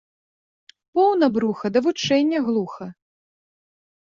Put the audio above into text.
Поўна бруха да вучэння глуха